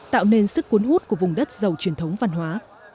tạo nên sức cuốn hút của vùng đất giàu truyền thống văn hóa